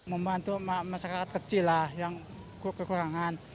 membantu masyarakat kecil lah yang kekurangan